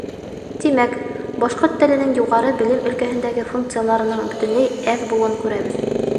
Тимәк, башҡорт теленең юғары белем өлкәһендәге функцияларының бөтөнләй әҙ булыуын күрәбеҙ.